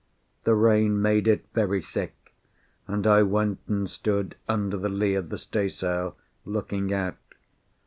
The rain made it very thick, and I went and stood under the lee of the staysail, looking out.